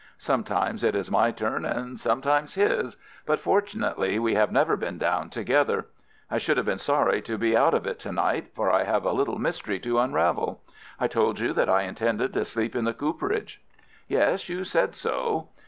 "Sometimes it is my turn and sometimes his, but, fortunately, we have never been down together. I should have been sorry to be out of it to night, for I have a little mystery to unravel. I told you that I intended to sleep in the cooperage." "Yes, you said so."